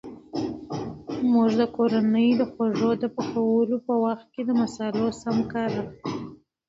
مور د کورنۍ د خوړو د پخولو په وخت د مصالحو سم کار اخلي.